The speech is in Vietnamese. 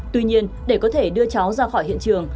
tuy nhiên để có thể đưa cháu ra khỏi hiện trường